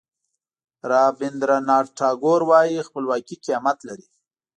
رابندراناټ ټاګور وایي خپلواکي قیمت لري.